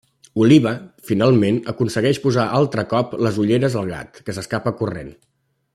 Oliva, finalment, aconsegueix posar altre cop les ulleres al gat, que s'escapa corrent.